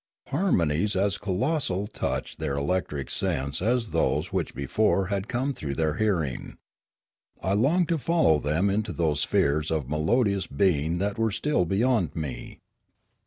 Harmonies as colossal touched their electric sense as those which before had come through their hearing. I longed to follow them into those spheres of melodious being that were still beyond me.